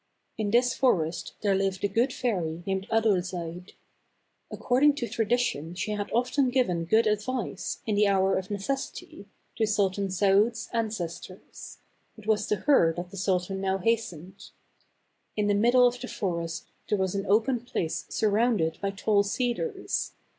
In this forest there lived a good fairy named Adolzaide. According to tradition she had often given good advice, in the hour of necessity, THE C All AVAN. 213 to Sultan Saaud's ancestors. It was to her that the sultan now hastened. In the middle of the forest there was an open place surrounded by tall cedars.